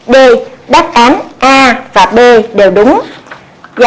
d đáp án a và b đều đúng